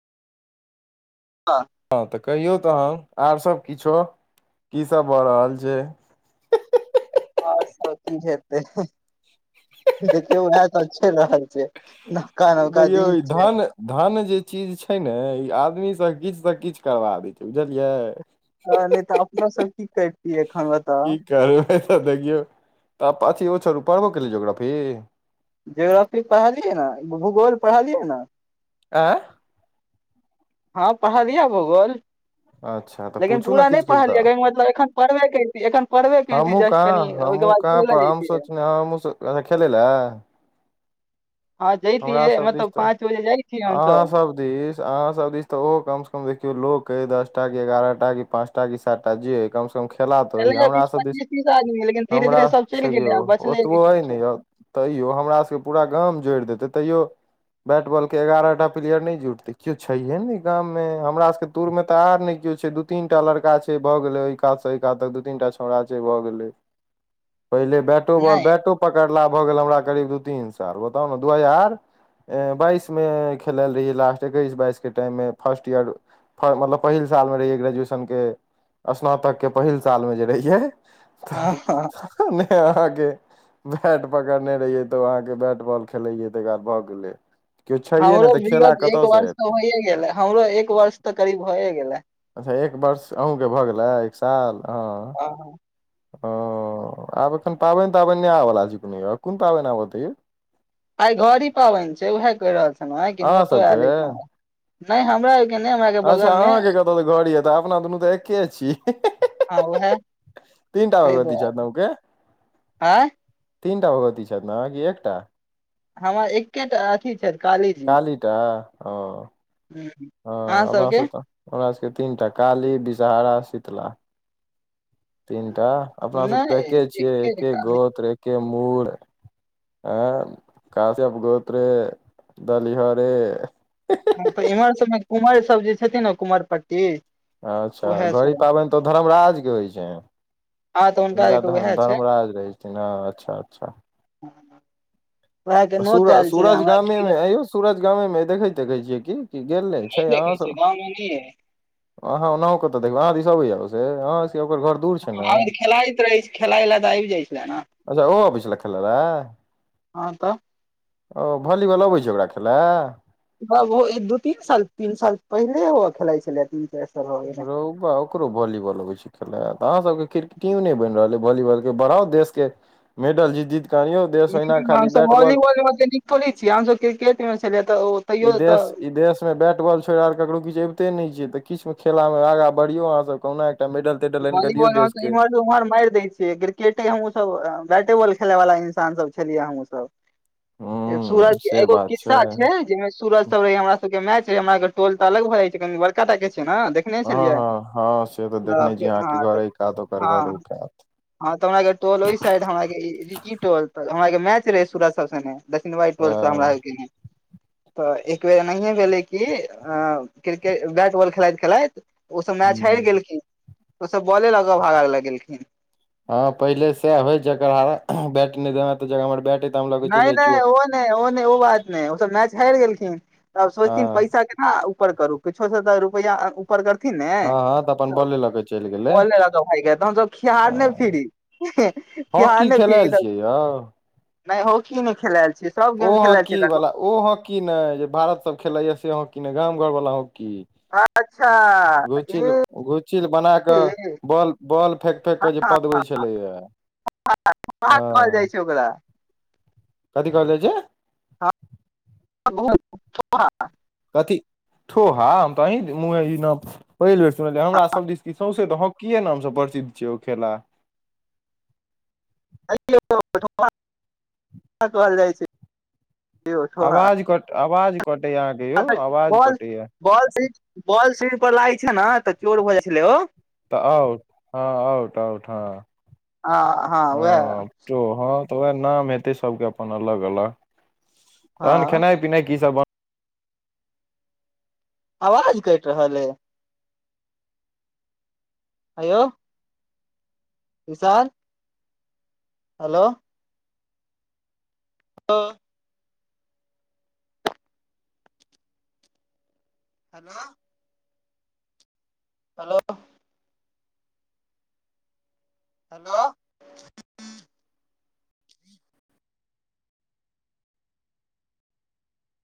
का हँ तऽ कहियौ तहन आर सब किछो की सब भऽ रहल छै और सब की हेतै देखियौ उएह तऽ चल रहल छै नवका नवका देखियौ दिन ई छै धन धन जे चीज छै ने ई आदमी सभ किछु से किछु करबा दै छै बुझलियै हां नहि तऽ अपनो सब की करितियै एखन बताउ की करबै तऽ देखिओ छर पढ़बो कलीए जोग्रफी जोग्रफी पढ़लियै ने भूगोल पढ़लियै ने आए हँ पढ़लिय भूगोल अच्छा तऽ लेकिन पूछू ने पूरा नहि किछ किछ तऽ पढ़लियै मतलब एखन पढ़बे कऽ एखन पढ़बे केतै हमहूँ जस्ट कनि ओहि के बाद खलल जैतियै नसँ ओ खेल ला हँ जइतियै सब दिस मतलब तऽ पाँच बजे जाइ छिय अ तऽ अहाँ सब दिस अहाँ सब दिस तऽ ओहो कम से कम देखिय लोक दसटा के एगारहटा कि पाँचटा सारटा जे कम सेम खेला तऽ होइ एलै हमर बीस सभ दि पच्चीस तीस आदमी लेकिन धीरे हमर धीरे सब स चलि गेलै आ बचलै ओतबो किछो अइ किछो ने य तैयो हमरा सभके पूरा गाम जोड़ि देतै तैयो बैट बॉल के एगारह टा प्लेयर नहि जुटते केओ छैहे ने गामं हमरा सबके तूर में तऽ आर ने केओ छै द दू तीन टा लड़का छै भए गेलै ओहि कात से ओ कात तक दू तीन टा छौड़ा छै भऽ गेलै पहिले बैटो बॉल नहि बैटो पकड़ला भऽ गेल हमरा करीब दू तीन साल बताउ ने दू हजार बाइसमे खेलल रहियै लास्ट एकैस बाइसके टाइममे फर्स्ट ईयर मतलब पहिल सालमे रहियै ग्रेजुएशनके स्नातकके पहिल सालमे जे रहियै हँ हँ तऽ अहाँ के बैट पकड़ने रहिय तो अहाँ के बैट बॉल खेलैयै तै एकटा भऽ गेलै केओ छैहे नहि आउरो तऽ खेला विगत एक कतयसँ वर्ष तऽ एतै होइए गेले हमरो एक वर्ष तऽ करीब होइए गेलै अच्छा एक वर्ष अहूँके भऽ गेलै एक साल ओ हँ, ओ आब एखन पाबनि ताबनि नहि आबऽला छै को य कोन पाबनि आबऽ तै यौ आइ घड़ी पाबनि छै वैहै कहि रहल छलहुं आ कि अहाँ नतो सबके आयल हमरा नहि हमरा आरके अच्छा बगल मे अहाँके कतहु तऽ घर यै तऽ अपना दुनू तऽ एके हँ उएह छीिय तीनटा ताहि आओर दुआरे जादव के आँय तीनटा भगवती छथि ने कि एकटा हर एकेटा अथी छथि कालीजी काली टा ओ ह अहाँ अपना सबके सब त ओकरा सभके तीन टा काली विषहारा शीतला तीनटा अपना सब नहि एके छियै एके काली गोत्र एके मूल आँ काश्यप गोत्र दलिहरे हम तऽ अच्छा इम्हर सबमे कुमारि सब जे छथिन ने कुमर पट्टी अच्छा उएह घड़ी सब पाबनि तऽ धर्मराज के होइ छै हँ तऽ हुनका आरके उएह छै धर्मराज रहै छथिन हँ अच्छा अच्छा हँ सूरज सूरज गामे खीर मे आयौ सूरज गामे देखैत देखै छियै की की गेले नहि छै देखै आहाँ छियै सब गाँवमे नहि अहाँ ओनाहु कतऽ देखबै अहाँ दिस आबे या से अहाँ से ओकर घर दूर छै ने ह खेलायइत रहै छी खेलाय लए तऽ आबि जाइ छलै ने अच्छा ओहो आनय छला खेल हँ तऽ ओ भॉलीबॉल अबै छै ओकरा खेलय ओ दू तीन साल तीन साल पहिले ओ खेलाइ छलथि इ रौ बा ओकरो वॉलीबॉल अबै छै खेला तऽहाँके क्रिक टीम नहि बनि रहल अइ वॉलीबॉलके बढ़ाव देश के मेडल जीत जीत क अनियौ हमसब वॉलीबॉल मे ओते निक थोरै छी हमसब क्रिकेट मे छलै तऽ इ तैयो तऽ देश इ देश बैट बॉल छोड़ि आर ककरो किछु अबिते नहि ने छै तऽ किछु मे खेला मे आगाँ बढ़ियौ अहाँ सब कहुना एकटा मेडल तेडल आनि कऽ दियौ बालीबॉल रहत देश त के इमहर उमहर मारि दै छै क्रिके केतेय हमहूँ सब बैटे बॉल खेले वाला इंसान सब छलियै हमहूँ सब हूं सूरज से एगो बात किस्सा छै जेमे सूरज सब रह हमरा सबके के मैच रह हमरा टोल त अलग भए जाय छै क बड़का टा के छै न हँ हँ हँ से तऽ देखने छी अहाँके हँ घर तऽ अय कात ओकर घर हँ ओय कात हँ तऽ हमरा के टोल ओइ साइड हमरा ई टोल त हमरा के मैच रहे सूरज सब सनेे दक्षिणवाइ टोल सँ हमरा हँ होइके ह तऽ एक बेेर एनाहिए भेलै कि अ क्रिकेट बैट बॉल खेलाइत खेलाइत ओसभ मैच हारि हूं गेलखिन ओसभ बॉले ल क भागा लग गेलखिन ह पहिले सेह होय जक बैट नहि देबा त हमर बैट तऽ हम लऽ कऽ चलि नहि जाइ नहि छियौ ओ नहि ओ नहि ओ बात नहि ओसभ मैच हारि गेलखिन तब सोचथिन हँ पैसा केना ऊपर करू किछो स तऽ रुपैआ उपर करथिन ने हँ हँ तऽ अपन बॉले लऽ के चलि गेलै बाॅले लेके भायग के तहन खियारने फिरी खियारने फिरी त रोउ नइ हॉकी नहि खेलायल छी ओ हॉकी वाला ओ हॉकी ने जे भारत सब खेलै या से हॉकी ने गाम घर वाला हॉकी अच्छा घुचिल ए घुचिल बना कऽ बॉल बॉल फेेक फेक के जे पदबै छलैयै कहल जाइ छै ओकरा [unintelligible] कथी कहल जाय छै हँ [unintelligible] कथी ठोहा हम तऽ अहीं नाम पहिल बेर सुनल हमरा सब दिस सौंसे हाकी यै नाम सब प्रसिद्ध छै ओ खेला कह कहल जाइ छै [unintelligible] आवाज कट आवाज कटै यै अहाॅं के अ तऽ बॉल बॉल स बॉल सर पर लागै छै ने तऽ चोर भऽ जाइ छलै ओ [unintelligible] तऽ आउट हँ आउट आउट हँ हँ हँ ह उएह ओ हँ तऽ उएह नाम हेतै सभके अपन अलग अलग हँ तहन खेनाइ पिनाइ की सब बन आवाज कटि रहल अय आयो Mishra hello hello hello hello hello